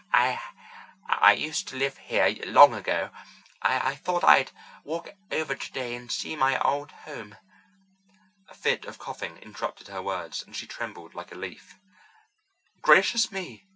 I—I used to live here long ago. I thought I'd walk over today and see my old home." A fit of coughing interrupted her words, and she trembled like a leaf. "Gracious me!"